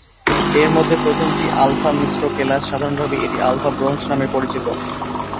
এর মধ্যে প্রথমটি আলফা মিশ্র কেলাস; সাধারণভাবে এটি আলফা ব্রোঞ্জ নামে পরিচিত।